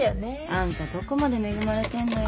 あんたどこまで恵まれてんのよ。